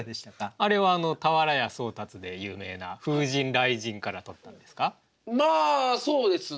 あれは俵屋宗達で有名な「風神雷神」からとったんですか？